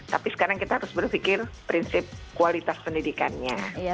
tapi sekarang kita harus berpikir prinsip kualitas pendidikannya